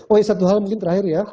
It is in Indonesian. oh satu hal mungkin terakhir ya